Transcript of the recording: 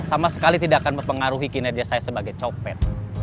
sama sekali tidak akan mempengaruhi kinerja saya sebagai copet